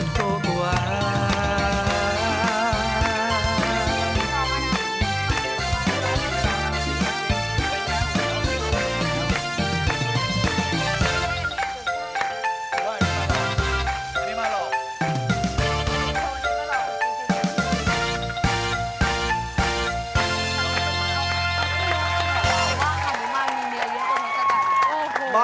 เตรียมตัวครับ